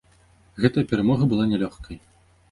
Гэтая перамога была нялёгкай.